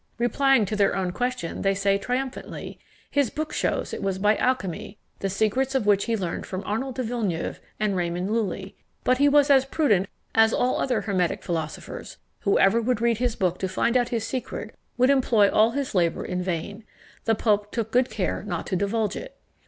Replying to their own question, they say triumphantly, "His book shews it was by alchymy, the secrets of which he learned from Arnold de Villeneuve and Raymond Lulli. But he was as prudent as all other hermetic philosophers. Whoever would read his book to find out his secret, would employ all his labour in vain; the pope took good care not to divulge it."